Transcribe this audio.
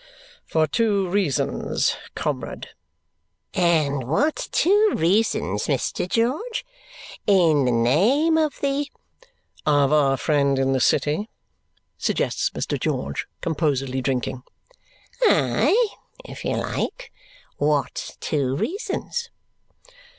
"For two reasons, comrade." "And what two reasons, Mr. George? In the name of the " "Of our friend in the city?" suggests Mr. George, composedly drinking. "Aye, if you like. What two reasons?"